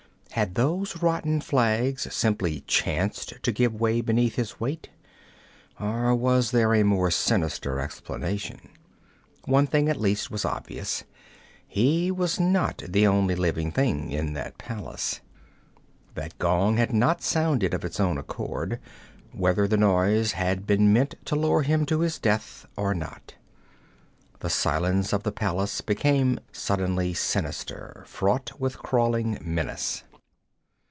Had those rotten flags simply chanced to give way beneath his weight, or was there a more sinister explanation? One thing at least was obvious: he was not the only living thing in that palace. That gong had not sounded of its own accord, whether the noise had been meant to lure him to his death, or not. The silence of the palace became suddenly sinister, fraught with crawling menace.